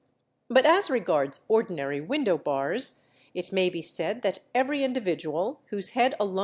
But as regards ordinary indow bars it may be said that every individual whose head alone \ 720